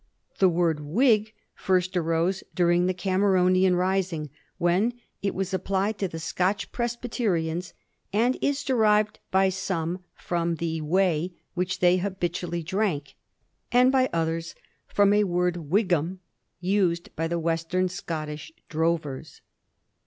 The word * Whig ' first arose during the Came ronian rising, when it was applied to the Scotch Pres byterians, and is derived by some fix)m the whey which they habitually drank, and by others fix)m a word * whiggam,' used by the Western Scottish drovers.